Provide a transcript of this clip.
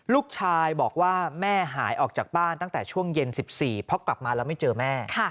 ลูกชายบอกว่าแม่หายออกจากบ้านตั้งแต่ช่วงเย็น๑๔เพราะกลับมาแล้วไม่เจอแม่